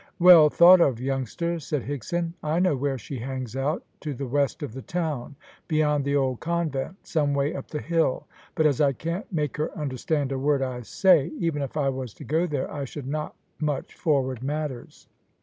"Well thought of, youngster," said Higson; "I know where she hangs out, to the west of the town, beyond the old convent, some way up the hill, but as I can't make her understand a word I say, even if I was to go there, I should not much forward matters."